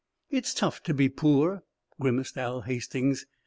"It's tough to be poor," grimaced Hal Hastings.